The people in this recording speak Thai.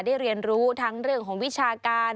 เรียนรู้ทั้งเรื่องของวิชาการ